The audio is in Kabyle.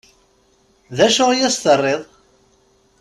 D acu i s-terriḍ?